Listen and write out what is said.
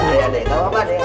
bucah lawan lagi